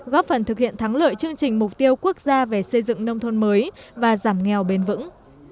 góp phần thực hiện thắng lợi chương trình mục tiêu quốc gia về xây dựng nông thôn mới và giảm nghèo bền vững